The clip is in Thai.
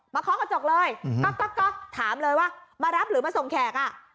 เคาะกระจกเลยก๊อกถามเลยว่ามารับหรือมาส่งแขกอ่ะ